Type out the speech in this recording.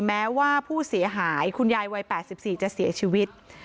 แม้ว่าผู้เสียหายคุณยายวัย๘๔จะเสียชีวิต